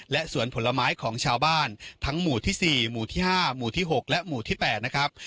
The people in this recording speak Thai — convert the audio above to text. และสวนผลไม้ของชาวบ้านทั้งหมู่ที่๔หมู่ที่๕หมู่ที่๖และหมู่ที่๘นะครับ